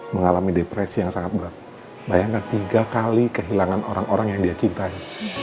mengalami depresi yang sangat berat bayangkan tiga kali kehilangan orang orang yang dia cintai